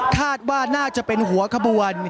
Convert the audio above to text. คาดว่าน่าจะเป็นหัวขบวน